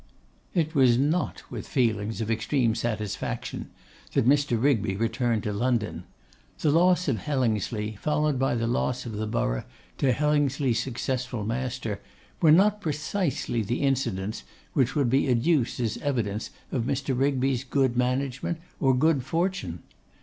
It was not with feelings of extreme satisfaction that Mr. Rigby returned to London. The loss of Hellingsley, followed by the loss of the borough to Hellingsley's successful master, were not precisely the incidents which would be adduced as evidence of Mr. Rigby's good management or good fortune.